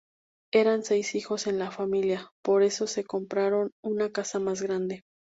Eran seis hijos en la familia, por eso se compraron una casa más grande.